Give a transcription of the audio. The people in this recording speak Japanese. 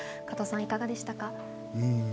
加藤さん、いかがでしたか？